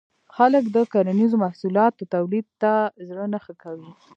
خلک د کرنیزو محصولاتو تولید ته زړه نه ښه کوي.